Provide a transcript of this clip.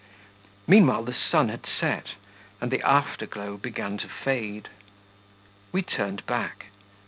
Meanwhile the sun had set, and the afterglow began to fade. We turned back.